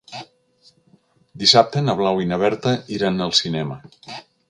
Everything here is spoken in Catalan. Dissabte na Blau i na Berta iran al cinema.